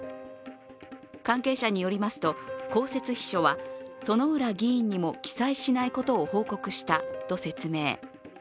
関係者によりますと公設秘書は薗浦議員にも記載しないことを報告したと説明。